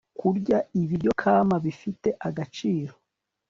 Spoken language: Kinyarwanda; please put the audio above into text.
kurya ibiryo kama bifite agaciro